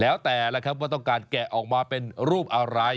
แล้วแต่ละครับว่าต้องการแกะออกมาเป็นรูปอะไร